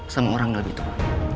semua orang lebih tua